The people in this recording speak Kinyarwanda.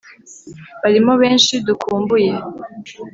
Barimo benshi dukumbuye